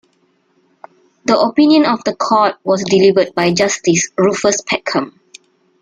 The opinion of the Court was delivered by Justice Rufus Peckham.